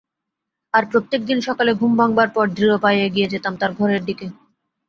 আর প্রত্যেকদিন সকালে ঘুম ভাঙবার পর দৃঢ়পায়ে এগিয়ে যেতাম তার ঘরের দিকে।